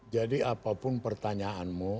jadi apapun pertanyaanmu